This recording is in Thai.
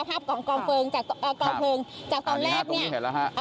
ภาพของกองเพลิงจากกองเพลิงจากตอนแรกเนี้ยอ่า